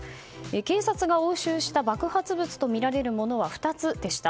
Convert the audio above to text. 警察が押収した爆発物とみられるものは２つでした。